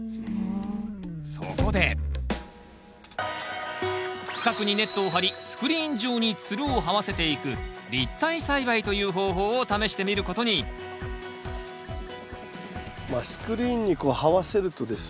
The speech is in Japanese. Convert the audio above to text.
そこで区画にネットを張りスクリーン上につるをはわせていく立体栽培という方法を試してみることにスクリーンにこうはわせるとですね